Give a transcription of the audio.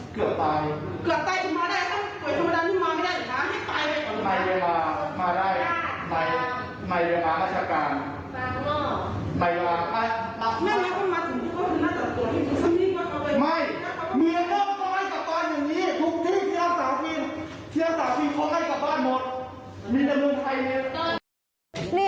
เชียงสาวทีเค้าให้กลับบ้านหมดมีแต่เมืองไทยเนี่ย